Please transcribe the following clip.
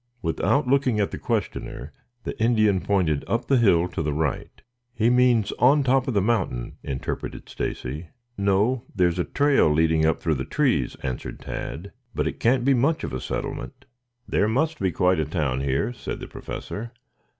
Without looking at the questioner, the Indian pointed up the hill to the right. "He means on top of the mountain," interpreted Stacy. "No. There is a trail leading up through the trees," answered Tad. "But it can't be much of a settlement." "There must be quite a town here," said the Professor.